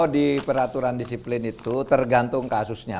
di peraturan disiplin itu tergantung kasusnya